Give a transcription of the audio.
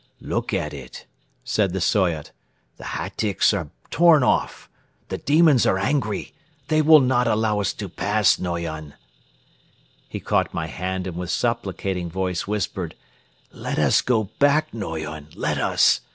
"Look at it," said the Soyot. "The hatyks are torn off. The demons are angry, they will not allow us to pass, Noyon. ..." He caught my hand and with supplicating voice whispered: "Let us go back, Noyon; let us!